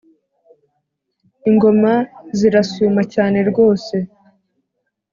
ingoma zirasuma cyane rwose